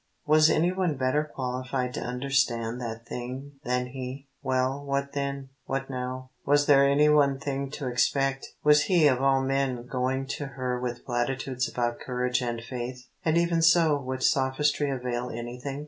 Was any one better qualified to understand that thing than he? Well, what then? What now? Was there any other thing to expect? Was he, of all men, going to her with platitudes about courage and faith? And even so, would sophistry avail anything?